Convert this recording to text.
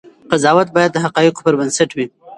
قضاوت باید د حقایقو پر بنسټ وي.